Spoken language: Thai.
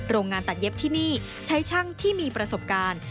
โรงงานตัดเย็บที่นี่ใช้ช่างที่มีประสบการณ์